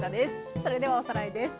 それではおさらいです。